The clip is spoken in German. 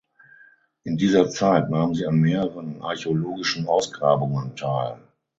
In dieser Zeit nahm sie an mehreren archäologischen Ausgrabungen teil.